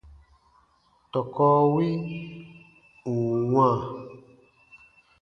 Tɔkɔ wi ù n wãa,